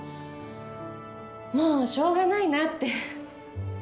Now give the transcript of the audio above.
もうしょうがないなって。